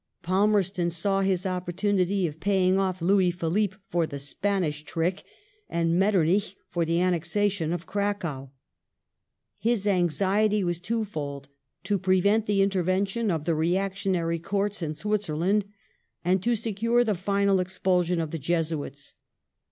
Palmei ston saw his opportunity of paying off* Louis Philippe for the Spanish trick, and Mettemich for the annexation of Cracow. His anxiety was twofold : to prevent the intervention of the reactionary Courts in Switzerland, and to secure the final expulsion of the Jesuits.